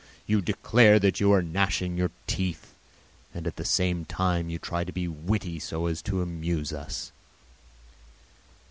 You declare that you are gnashing your teeth and at the same time you try to be witty so as to amuse us.